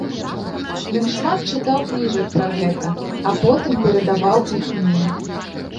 Ён шмат чытаў кніжак пра гэта, а потым перадаваў іх мне.